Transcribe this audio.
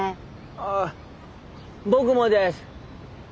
あっ僕もです。